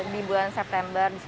di bulan september